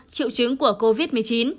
chịu chứng của covid một mươi chín